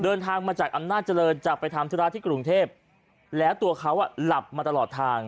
เดินทางมาจากอำนาจเจริญจะไปทำธุระที่กรุงเทพแล้วตัวเขาอ่ะหลับมาตลอดทาง